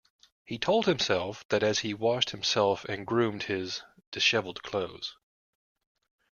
He told himself that as he washed himself and groomed his disheveled clothes.